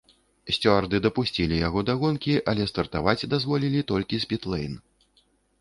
Сцюарды дапусцілі яго да гонкі, але стартаваць дазволілі толькі з піт-лэйн.